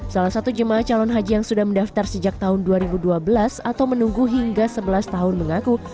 salah satu jemaah calon haji yang sudah mendaftar sejak tahun dua ribu dua belas atau menunggu hingga sebelas tahun mengaku